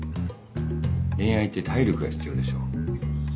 恋愛って体力が必要でしょ。